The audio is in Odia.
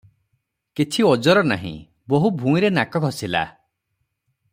କିଛି ଓଜର ନାହିଁ - ବୋହୂ ଭୁଇଁରେ ନାକ ଘଷିଲା ।